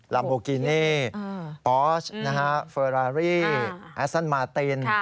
ลัมโบกินี่บอร์ชนะฮะเฟอรารี่แอสเซ็นต์มาติน